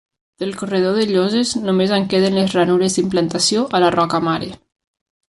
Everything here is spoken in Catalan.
Del corredor de lloses només en queden les ranures d'implantació a la roca mare.